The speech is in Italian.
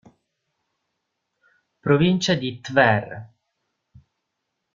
Provincia di Tver'